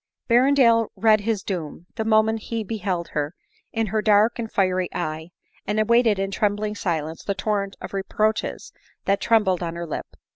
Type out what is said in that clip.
Berrendale read his doom, the moment he beheld her, in her dark and fiery eye, and awaited in trembling silence the torrent of reproaches that trembled on her lip.